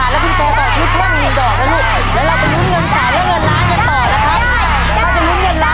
ได้มันได้นะลูกน้ำ